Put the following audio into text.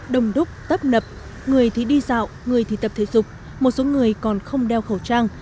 đồng đúc tấp nập người thì đi dạo người thì tập thể dục một số người còn không đeo khẩu trang